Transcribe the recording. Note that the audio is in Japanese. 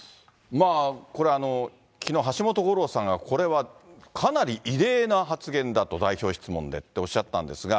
まあこれ、きのう、橋本五郎さんが、これはかなり異例な発言だと、代表質問でって、おっしゃったんですが。